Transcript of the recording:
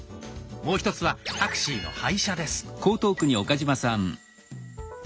もう１つはタクシーの配車です。